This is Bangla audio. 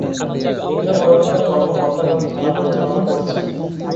নিম্নবর্ণিত কর্মকর্তাগণ খেলা পরিচালনা করছেন:-